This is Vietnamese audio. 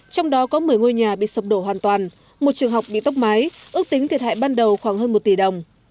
trong đó có một mươi ngôi nhà bị sập đổ hoàn toàn một trường học bị tốc mái ước tính thiệt hại ban đầu khoảng hơn một tỷ đồng